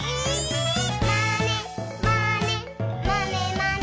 「まねまねまねまね」